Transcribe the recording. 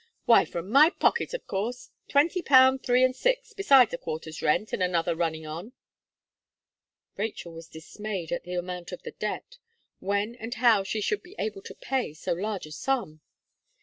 Why, from my pocket, of course; twenty pound three and six, besides a quarter's rent, and another running on." Rachel was dismayed at the amount of the debt. When and how should she be able to pay so large a sum?